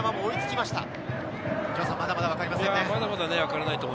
まだまだ分かりませんね。